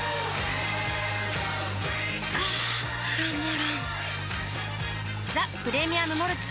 あたまらんっ「ザ・プレミアム・モルツ」